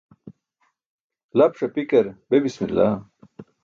Lap ṣapikar be bismillah.